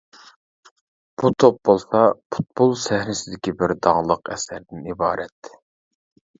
بۇ توپ بولسا پۇتبول سەھنىسىدىكى بىر داڭلىق ئەسەردىن ئىبارەت.